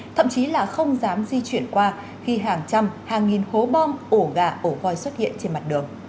thậm chí là không dám di chuyển qua khi hàng trăm hàng nghìn hố bom ổ gà ổ voi xuất hiện trên mặt đường